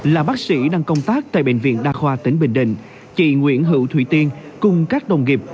là bác sĩ đang công tác tại bệnh viện đa khoa tỉnh bình định chị nguyễn hữu thủy tiên cùng các đồng nghiệp